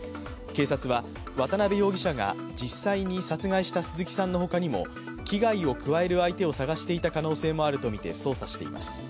警察は、渡辺容疑者が実際に殺害した鈴木さんの他にも危害を加える相手を探している可能性もあるとみて捜査しています。